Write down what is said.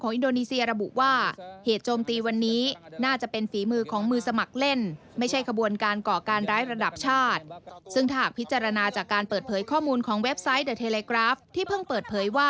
ของอินโดนีเซียระบุว่า